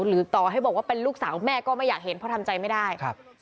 หรือต่อให้บอกว่าเป็นลูกสาวแม่ก็ไม่อยากเห็นเพราะทำใจไม่ได้ครับ